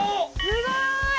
すごい！